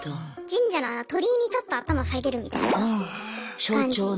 神社の鳥居にちょっと頭下げるみたいな感じ。